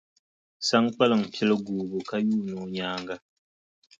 Saŋkpaliŋ pili guubu ka yuuni o nyaaŋa.